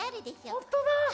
本当だ。